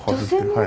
はい。